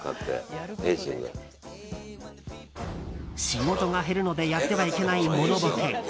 仕事が減るのでやってはいけないモノボケ。